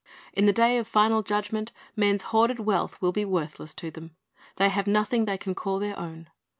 \\\ the day of final Judgment men's hoarded wealth will be worthless to them. The)/ have nothing they can call their own.